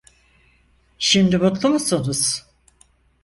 Şimdi mutlu musunuz?